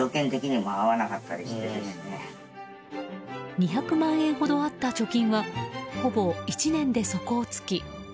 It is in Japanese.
２００万円ほどあった貯金はほぼ１年で底をつき。